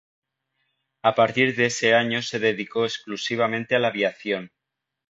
A partir de ese año se dedicó exclusivamente a la aviación.